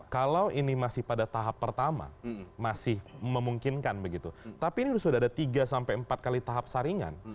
kalau ini masih pada tahap pertama masih memungkinkan begitu tapi ini sudah ada tiga sampai empat kali tahap saringan